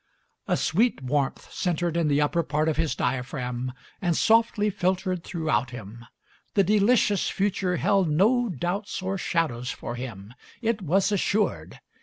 A sweet warmth centred in the upper part of his diaphragm and softly filtered throughout him. The delicious future held no doubts or shadows for him. It was assured.